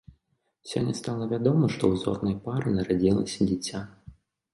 Сёння стала вядома, што ў зорнай пары нарадзілася дзіця.